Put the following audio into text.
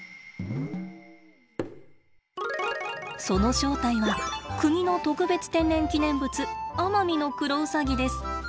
その正体は国の特別天然記念物アマミノクロウサギです。